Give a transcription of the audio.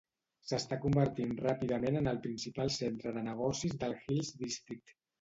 S'està convertint ràpidament en el principal centre de negocis del Hills District.